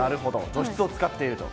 除湿を使っていると。